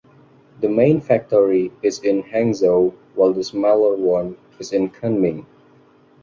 The main factory is in Hangzhou while the smaller one is in Kunming.